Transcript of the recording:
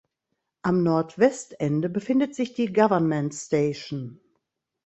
Am Nordwestende befindet sich die "Government Station".